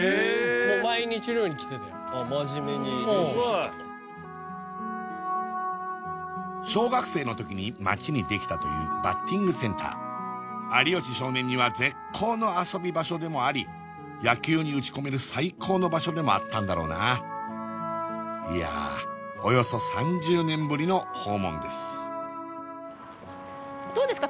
もう毎日のように来てて真面目にうん小学生の時に町にできたというバッティングセンター有吉少年には絶好の遊び場所でもあり野球に打ち込める最高の場所でもあったんだろうないやおよそ３０年ぶりの訪問ですどうですか？